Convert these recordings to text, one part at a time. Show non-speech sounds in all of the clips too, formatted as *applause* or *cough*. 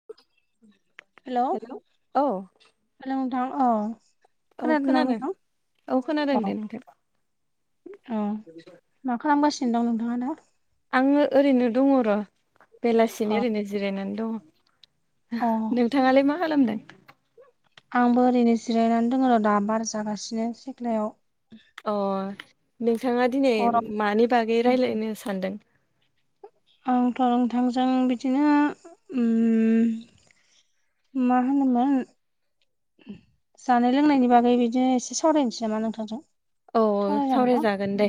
*inaudible* हेल' hello औ hello नोंथां औ औ खोनादों औ खोनादों दे नोंथां औ मा खालामगासिनो दं नोंथाङा दा आङो ओरैनो दङ र' अ बेलासिनि ओरैनो जिरायनानै दङ अ नोंथाङालाय मा खालामदों? आंबो ओरैनो जिरायनानै दङ आरो' दा बार जागासिनो सिथ्लायाव अ नोंथाङा दिनै गरम मानि बागै राय्लायनो सानदों? आंथ नोंथांजों बिदिनो उम मा होनोमोन जानाय लोंनायनि बागै बिदिनो एसे सावरायनोसै नामा नोंथांजों औ सावराय जागोनना? सावरायजागोन दे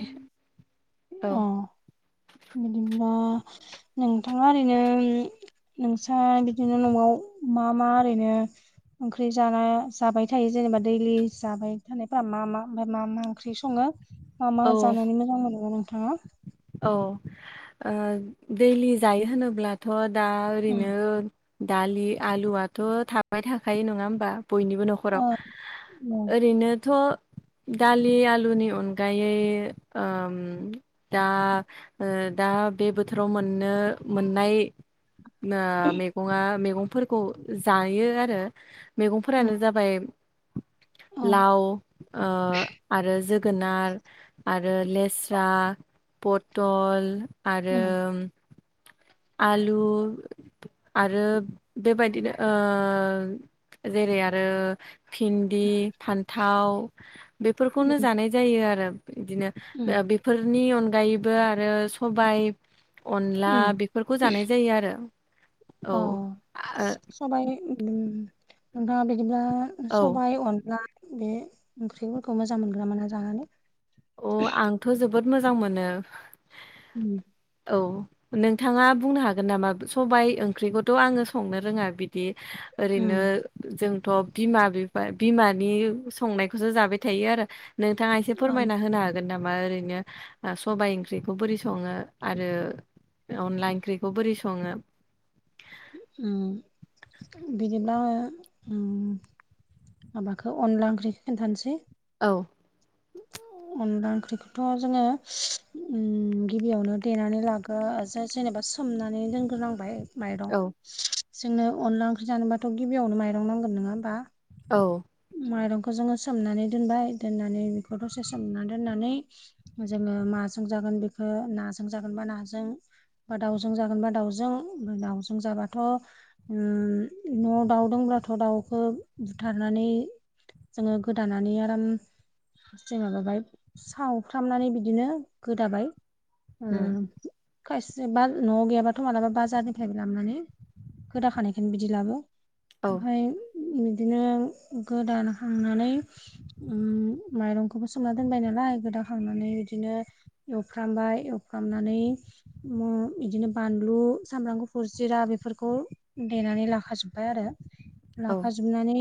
औ अ बिदिनोबा नोंथाङा ओरैनो नोंस्रा बिदिनो न'आव मा मा ओरैनो ओंख्रि जाना जाबाय थायो जेनेबा दैलि जाबाय थानायफोरा मा मा ओमफ्राय मा मा ओंख्रि सङो? मा मा औ जानानै मोजां मोनोमा नोंथाङा? औ दैलि जायो होनोब्लाथ' दा उम ओरैनो दालि आलुआथ' थाबाय थाखायो नङा होमबा बयनिबो न'खराव ओ उम ओरैनोथ' दालि आलुनि अनगायै ओ दा ओ दा बे बोथोराव मोननो मोननाय मैगं मैगंफोरखौ जायो आरो। उम मैगंफोरानो जाबाय अ लाव आरो जोगोनार आरो लेस्रा पटल आरो उम आलु आरो बेबायदिनो ओ जेरै आरो भिन्दि फान्थाव बेफोरखौनो उम जानाय जायो आरो बिदिनो। उम बेफोरनि अनगायैबो आरो सबायाइ अनला उम खौ जानाय जायो आरो औ अ ओ सबाइ नोंथाङा बिदिब्ला ओ सबायाइ अन्ला बे ओंख्रिफोरखौ मोजां मोनग्रा मोना जानानै अ आंथ' जोबोद मोजां मोनो। उम औ नोंथाङा बुंनो हागोन नामा सबाय ओंख्रिखौथ' आङो संनो रोङा बिदि ओरैनो उम जोंथ' बिमा बिफा बिमानि संनायखौसो जाबाय थायो आरो नोंथाङा औ समायना होनो हागोन नामा ओरैनो सबाइ ओंख्रिखौ बोरै सङो आरो। अनला ओंख्रिखौ बोरै सङो? उम बिदिब्ला उम माबाखौ अनला ओंख्रि खोनन्थानोसै। औ *inaudible* अनला ओंख्रिखौथ' जोङो गिबियावनो देनानै लागो जेनेबा सोमनानै दोनग्रोनांबाय माइरं औ जोंनो अनला ओंख्रि जानोबाथ' गिबियावनो माइरं नांगोन नङा होमबा? औ माइरंखौ जोङो सोमनानै दोनबाय दोननानै बेखौ दसे सोमनानै दोननानै जोङो माजों जागोन बेखौ नाजों जागोन बा नाजों बा दाउजों जागोनबा दाउजोंफ्राय दाउजों जाबाथ' न'आव दाउ दब्लाथ' दाउखौ बुथारनानै जोङो गोदानानै आराम हार माबाबाय सावफ्रामनानै बिदिनो गोदाबाय। औ उम खायसे ब न'आव गैयाबाथ' मालाबा बाजारनिफ्राय लाबोननानै खदाखानायखौनो बिदि लाबो औ ओमफफ्राय बिदिनो गोदानखांनानै उ माइरंखौबो सोमना दोनबाय नालाय गोदाखांनानै बिदिनो एवफ्रामबाय एवफ्रामनानै बिदिनो बानलु सामब्राम गुफुर जिरा बेफोरखौ देनानै लाखाजोब्बाय आरो औ लाखाजोबनानै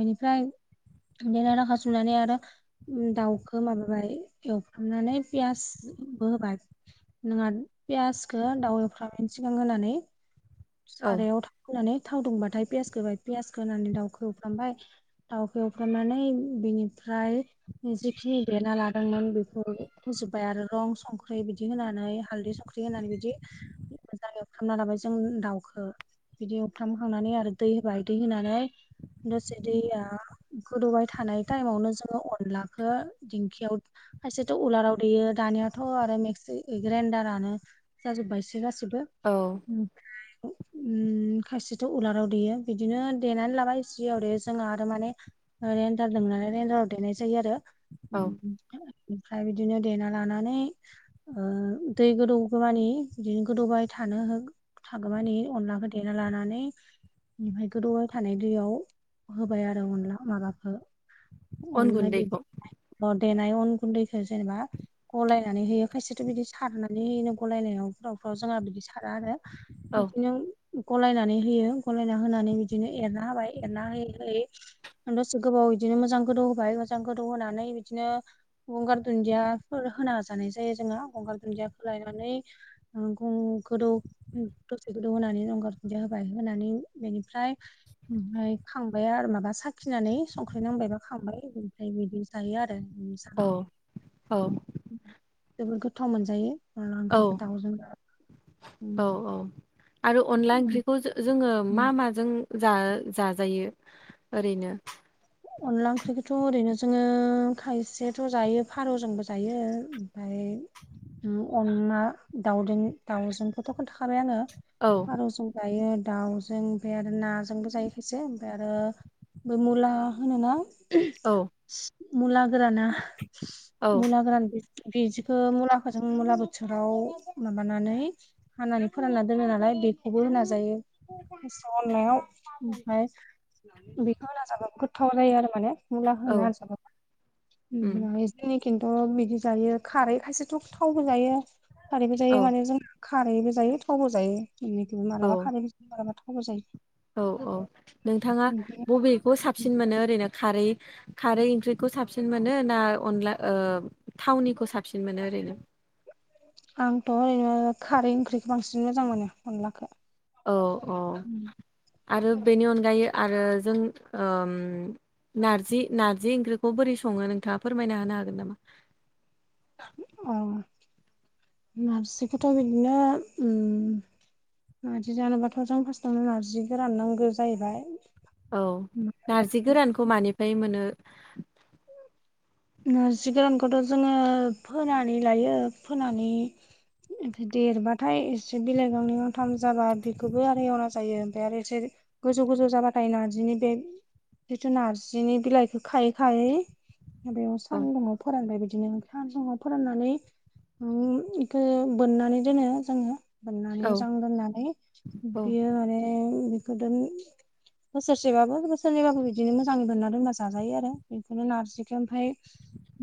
बेनिफ्राय बे र खासुमनानै आरो दाउखौ माबाबाय एवफ्रामनानै पियासबो होबाय। नोंहा पियासखौ दाउ एवफ्रामन सिगां होनानै। औ सारायाव थाव होनानै थाव दुंबाथाय पियास होबाय पियास होनानै दाउखौ एवफ्रामबाय दाउखौ एवफ्रामनानै बेनिफ्राय जिखिनि देना लादोंमोन बेखौ होजोबबाय आरो रं संख्रि बिदि होनानै हालदै सं संख्रि होनानै बिदि मोजांायाव खालामना लाबाय जों दाउखौ बिदि अरथामखांनानै आरो दै होबाय दै होनानै दसे दैया गोदौबाय थानाय टाइमावनो जोङो अनलाखौ दिंखियाव खायसेथ' उलाराव देयो दानियाथ' आरो मिक्सि ग्राइडारानो जाजोब्बायसो गासैबो औ ओमफ्राय खासेथ' उलाराव देयो बिदिनो देनानै लाबाय याव दे जोंहा आरो माने रेन्दार दं नालाय गेनडाराव देनाय जायो आरो औ ओमफ्राय बिदिनो देना लानानै दै गोदौ गोमानि बिदिनो गोदौबाय थानो हो थागोम न अनलाखौ देना लानानै निफ्राय गोदौबाय थानाय दैयाव होबाय आरो अनला माबाफोर अन अनला गुन्दैखौ बिदि अ देनाय अन गुन्दैखौ जेनेबा गलायनानै होयो खायसेथ' बिदि सारनानै होनो गलायनायावफ्रावफ्राव जोंहा बिदि सारा आरो औ बिदिनो गलायनानै होयो गलायना होनानै बिदिनो एरना होबाय एरना होयै होयै दसे गोबाव बिदिनो मोजां गोदौ होबाय मोजां गोदौ होनानै बिदिनो गंगार दुन्दियाफोर होना जानाय जायो जोङो गंगार दुन्दियाखौलायनानै नंगौ गोदौ दसे गोदौ होनानै गंगार दुदिया होबाय होनानै बेनिफ्राय ओमफ्राय खांबाय आरो माबा साखिनानै संख्रि नांबायबा खांबाय ओमफ्राय बिदि जायो आरो औ औ जोबोद गोथाव मोनजायो अनला ओंख्रिखौ दाउजों औ उम औ आरो अनला उम ओंख्रिखौ जोङो मा उम। मा जों जाजायो ओरैनो अनला ओंख्रिखौथ' ओरैनो जोङो खायसेथ' जायो फारौजोंबो जायो ओमफ्राय अनला दाउजों दाउजों गथ' खनखाबायानो औ बार' ज जायो दाउजों ओमफ्राय आरो नाजोंबो जायोखायसो ओमफ्राय आरो बे मुला होनोना औ मुला गोराना औ मुला गोरान बिदिखौ मुलाखौ जों मुला बोथोराव माबानानै होनानै फोरानना दोनो नालाय बेखौबो होना जायो अनलायाव ओमफाय बेखौ होना जाबा गोथाव जायो आरो माने मुला औ होना जाबाबो उम ओमफ्राय बिदिनो खिन्थु बिदि जायो खारै खायसेथ' थावबो जायो खारैबो औ जायो माने जों खारैबो जायो थावबो जायो औ मालाबा खारैबो जायो मालाबा थावबो जायो औ औ नोंथाङा बिदिनो बबेखौ साबसिन मोनो ओरैनो खारै खारै ओंख्रिखौ साबसिन मोनो ना अनला थावनिखौ साबसिन मोनो ओरैनो आंथ' ओरैनो खारै ओंख्रिखौ बांसिन मोजां मोनो अनलाखौ औ औ आरो बेनि अनगायै आरो जों नारजि नार्जि ओंख्रिखौ बोरै सङो नोंथाङा फोरमायना हानो हागोन नामा औ नारजिखौथ' बिदिनो नारजि जानोबाथ' जों फार्स्टआवनो नार्जि गोरान नांगौ जाहैबाय औ नारजि गोरानखौ मानिफ्राय मोनो नजि गोरानखौथ' जोङो फोनानै लायो फोनानै ओमफ्राय देरबाथाय एसे बिलाइ गांनै गांथाम जाबा बेखौबो आरो एवना जायो ओमफ्राय आरो एसे गोजौ गोजौ जाबाथाय नारजिनि बे जिथु नार्जिनि बिलाइखौ खायै खायै बेयाव औ सान्दुङाव फोराननाय बिदिनो सानदुङाव फोराननानै बेखौ बोननानै दोनो जोङो। सोमनानै औ मोजां दोननानै औ बियो माने गोदोनि बोसोरसेबाबो बोरनैबाबो बिदिनो मोजां बोनना दोनबा जाजायो आरो बेखौनो नारजि ओमफ्राय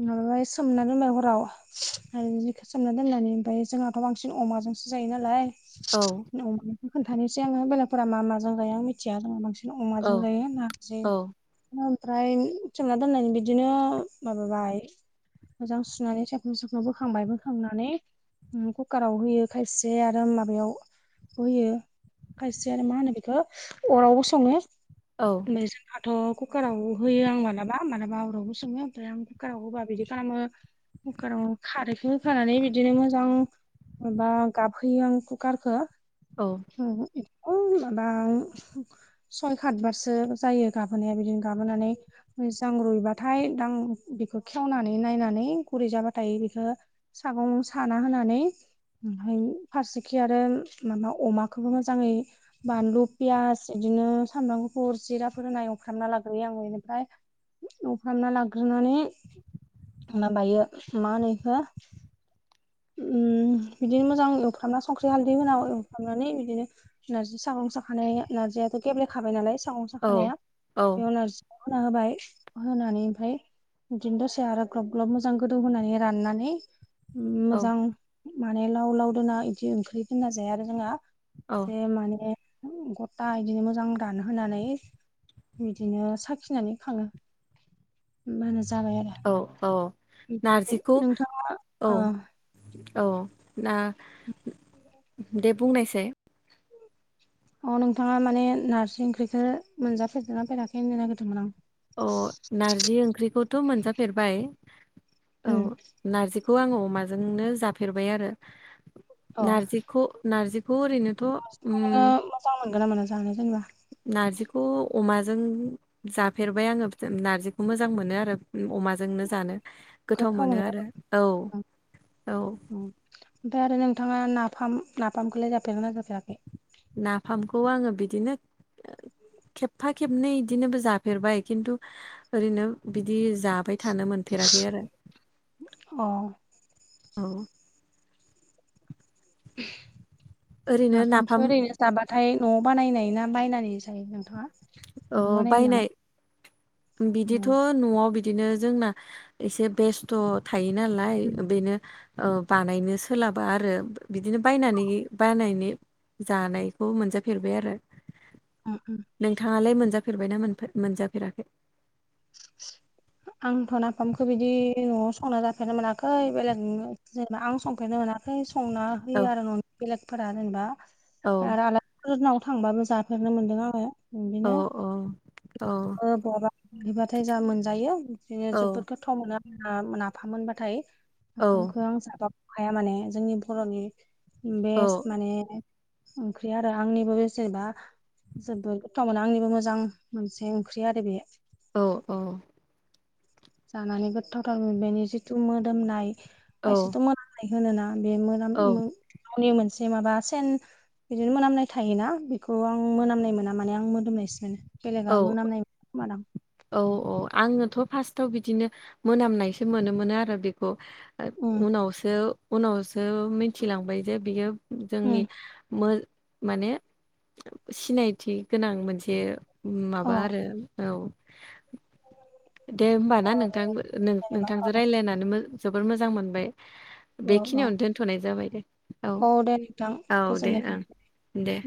माबाबाय सोमना दोनबाय हराव आरो जिखौ सोमना दोननानै ओमफ्राय जोंहाथ' बांसिन अमाजोंसो जायो नालाय औ। अमानिखौ खोनथानोसै आङो बेलेगफोरा मा माजों जायो आं मिथिया जोङो बांसिन। बिदिनो अमाजों औ जायो नारजि औ ओमफ्राय सोमना दोननायनि बिदि बिदिनो माबाबाय मोजां सुनानै सायख्ल सख्ल बोखांबाय बोखांनानै कुकाराव होयो खायसे आरो माबायाव होयो खायसे आरो मा होनो बेखौ अरावबो सङो औ। ओमफ्राय जोंहाथ' कुकाराव होयो आं मालाबा मालाबा ओमफ्राय आं कुकारावबो बिदि खालामो। कुकाराव खारैखौ होखानानै बिदिनो मोजां। माबा गाबहैयो आं कुकारखौ औ। उम एखदम माबा सय खात बारसो जायो गाबोनाया बिदिनो गाबोनानै मोजां रुइबा थाय दां बेखौ खेवनानै नायनानै गुरै जाबाथाय बेखौ सागं साना होनानै ओमफ्राय फारसेखि आरो माबा अमाखोबो मोजाङै बानलु पियास बिदिनो सामब्राम गुफुर जिराफोर होनाय एवफ्रामना लाग्रोयो आं बेनिफ्राय एवफ्रामना लाग्रोनानै माबायो मा होनो इखौ बिदिनो मोजां एवफ्रामना संख्रि हालदै होना एवफ्रामनानै बिदिनो नारजि सागं साखानाय नारजियाथ' गेब्लेखाबाय नालाय सागं सानाय साखानाया औ बेयाव नारजिखौ होना होबाय होनानै ओमफ्राय बिदिनो दसे आरो ग्लब ग्लब मोजां गोदौ होनानै राननानै औ मोजां माने लाव लाव दोना इदि ओंख्रि दोनना जाया आरो जोंहा औ एसे माने गता इदिनो मोजां दानहोनानै बिदिनो साखिनानै खाङो। होमबानो जाबाय आरो औ औ ओमफ्राय नारजिखौ नोंथां औ‌ ओ औ ना दे बुंनायसाय अ नोंथाङा माने नार्जि ओंख्रिखो मोनजाफेरबायना फेराखै होननो नागिरदोंमोन आं अ नारजि ओंख्रिखौथ' मोनजाफेरबाय औ। उम नारजिखौ आङो अमाजोंनो जाफेरबाय आरो नारजिखौ नारजि खौ ओरैनोथ' उम नारजिखौ नोङो मोजां मोनगोना मोना जानो जेनेबा नारजिखौ अमाजों जाफेरबाय आङो नारजिखौ मोजां मोनो आरो अमा जोंनो जानो गोथाव मोनो आरो औ ना? औ। ओमफ्राय आरो नोंथाङा नाफाम नाफामखौलाय जाफेरगोना जाफेराखै। नाफामखौ आङो बिदिनो खेबफा खेबनै इदिनोबो जाफेरबाय खिन्थु ओरैनो बिदि जा बाय थानो मोनफेराखै आरो अ। औ ओरैनो नाफामखो नाफाम ओरैनो जाबाथाय न'आव बानायनाय ना बायनानै जायो नोंथां। अ बायनाय अ बिदिथ' न'आव बिदिनो जोंना एसे बेस्थ' थायो नालाय बेनो ओ बानायनो सोलाबा आरो बिदिनो बायनानै बानायनि जानायखौ मोनजाफेरबाय आरो उम उम नोंथाङालाय मोनजाफेरबायना मोनफे मोनजाफेराखै आंथ' नाफामखौ बिदि न'आव संना जाफेरनो मोनाखै बेलेग जेनेबा आं संफेरनो मोनाखै खाय संना औ होयो आरो न'नि बेलेगफोरा जेनेबा औ आरो आला फोरनाव थांबाबो जाफेरनो मोन्दों आङो औ बिदिनो औ औ ओ बहाबा बिदिबाथाय जा मोनजायो बिदिनो औ जोबोद गो गोथाव मोनो आरोना नाफाम मोनबाथाय औ नाफामखौ आं जाबा अहाया माने जोंनि बर'नि औ बेस्ट माने ओंख्रि आरो आंनिबो बेसेबा जोबोद गोथाव मोनो आंनिबो मोजां मोनसे ओंख्रि आरो बेयो। औ औ जानानै गोथावथार बेनि जिथु मोदोमनाय औ खायसेथ' मोनामनाय होनोना बे मो औ ननि मोनसे माबा सेन बिदिनो मोनामनाय थायोना बेखौ आं मोनामनाय मोना माने आं मोदोमनायसो औ बेलेगा मोनामनाय खोमा दां। औ औ आङोथ' फार्स्टाव बिदिनो मोनामनायसो मोनो मोन आरो बेखौ उम उनावसो उनावसो मिथिलांबाय जे बियो जोंनि उम मोन माने सिनायथि गोनां मोनसे माबा अ आरो औ दे होमब ना नोंथां बर'नि जेनेबा नोंथांजों रायलायनानै जबोोर मोजां मोनबाय। औ औ बेखिनियावनो दोनथ'नाय जाबाय दे औ दे नोंथां औ दे गोजोननाय थाबाय। ओं दे